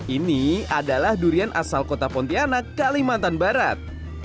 ini adalah durian asal kota pontianak kalimantan barat